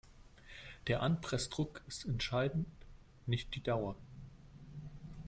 Der Anpressdruck ist entscheidend, nicht die Dauer.